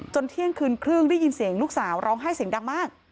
เที่ยงคืนครึ่งได้ยินเสียงลูกสาวร้องไห้เสียงดังมาก